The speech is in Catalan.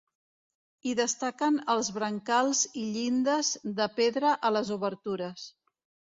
Hi destaquen els brancals i llindes de pedra a les obertures.